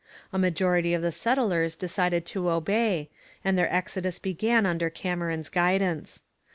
A majority of the settlers decided to obey, and their exodus began under Cameron's guidance.